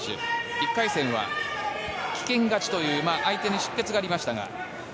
１回戦は棄権勝ちという相手に出血がありましたが。